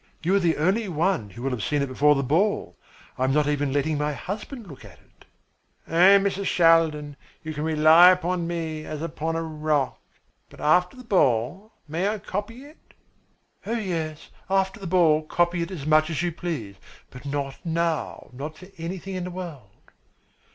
You are the only one who will have seen it before the ball. I am not even letting my husband look at it." "Oh, Mrs. Shaldin, you can rely upon me as upon a rock. But after the ball may I copy it?" "Oh, yes, after the ball copy it as much as you please, but not now, not for anything in the world."